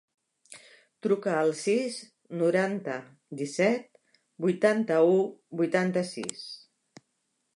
Truca al sis, noranta, disset, vuitanta-u, vuitanta-sis.